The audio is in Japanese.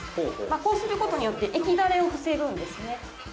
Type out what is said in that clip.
こうすることによって液だれを防ぐんですね